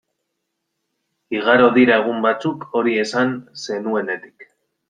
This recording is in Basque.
Igaro dira egun batzuk hori esan zenuenetik.